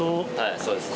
そうですね。